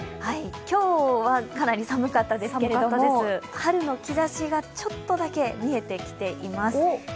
今日はかなり寒かったですけれども、春の兆しがちょっとだけ見えてきています。